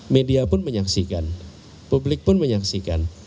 media pun menyaksikan publik pun menyaksikan